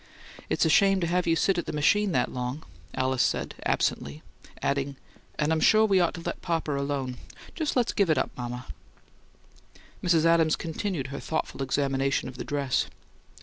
"It's a shame to have you sit at the machine that long," Alice said, absently, adding, "And I'm sure we ought to let papa alone. Let's just give it up, mama." Mrs. Adams continued her thoughtful examination of the dress.